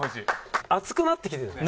熱くなってきてたね。